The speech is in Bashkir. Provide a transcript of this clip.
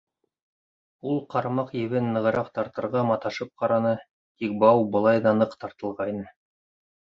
Ул ҡармаҡ ебен нығыраҡ тартырға маташып ҡараны, тик бау былай ҙа ныҡ тартылғайны.